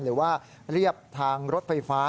หรือว่าเรียบทางรถไฟฟ้า